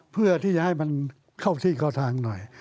เพื่อที่จะให้มันเข้าที่เข้าทางหน่อย